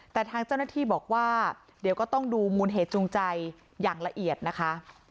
แต่ทางเจ้าหน้าที่บอกว่าเดี๋ยวก็ต้องดูมูลเหตุจูงใจอย่างละเอียดนะคะ